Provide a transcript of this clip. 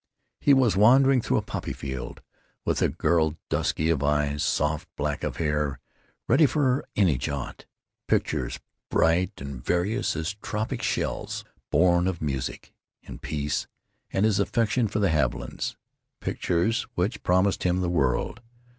He was wandering through a poppy field with a girl dusky of eyes, soft black of hair, ready for any jaunt.... Pictures bright and various as tropic shells, born of music and peace and his affection for the Havilands; pictures which promised him the world.